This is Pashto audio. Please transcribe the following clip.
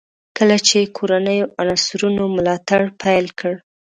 کله چې کورنیو عناصرو ملاتړ پیل کړ.